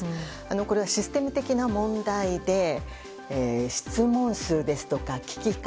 これはシステム的な問題で質問数ですとか聞き方